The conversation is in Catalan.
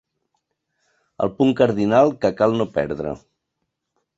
El punt cardinal que cal no perdre.